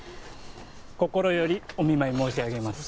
心よりお見舞い申し上げます